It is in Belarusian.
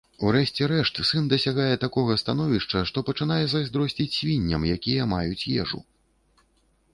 У рэшце рэшт, сын дасягае такога становішча, што пачынае зайздросціць свінням, якія маюць ежу.